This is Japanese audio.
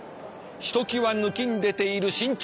ひときわぬきんでている身長。